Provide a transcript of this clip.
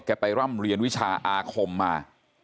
ไปร่ำเรียนวิชาอาคมมา